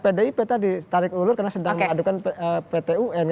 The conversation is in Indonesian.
pdip tadi tarik ulur karena sedang mengadukan pt un